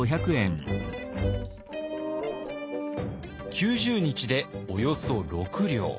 ９０日でおよそ６両。